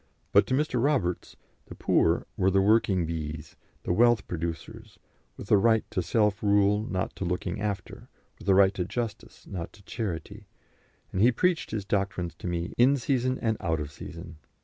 But to Mr. Roberts "the poor" were the working bees, the wealth producers, with a right to self rule not to looking after, with a right to justice, not to charity, and he preached his doctrines to me in season and out of season.